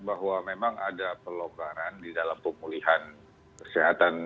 bahwa memang ada pelonggaran di dalam pemulihan kesehatan